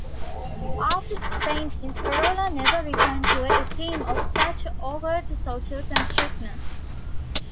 After this painting Sorolla never returned to a theme of such overt social consciousness.